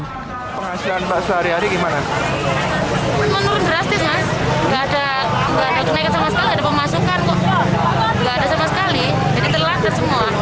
tidak ada sama sekali jadi terlata semua